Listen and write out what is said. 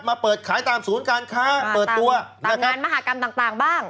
เปิดขายตามศูนย์การค้าเปิดตัวตามงานมหากรรมต่างบ้าง